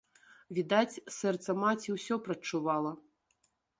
Відаць, сэрца маці ўсё прадчувала.